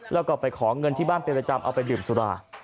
แล้วก็ไปขอเงินที่บ้านเป็นประจำเอาไปดื่มสุรา